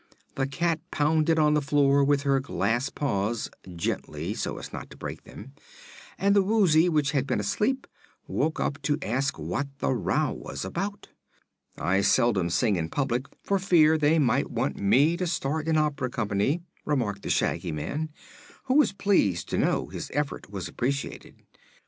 The cat pounded on the floor with her glass paws gently, so as not to break them and the Woozy, which had been asleep, woke up to ask what the row was about. "I seldom sing in public, for fear they might want me to start an opera company," remarked the Shaggy Man, who was pleased to know his effort was appreciated.